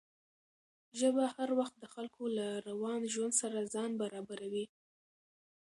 ژبه هر وخت د خلکو له روان ژوند سره ځان برابروي.